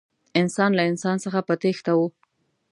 انسان له انسان څخه په تېښته و.